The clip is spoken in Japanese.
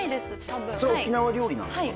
多分それ沖縄料理なんですか？